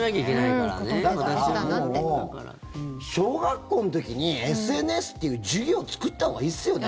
だから、もう小学校の時にＳＮＳっていう授業を作ったほうがいいっすよね。